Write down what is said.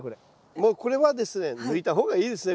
もうこれはですね抜いた方がいいですね